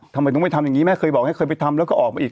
ทำไมต้องไปทำอย่างนี้แม่เคยบอกให้เคยไปทำแล้วก็ออกมาอีก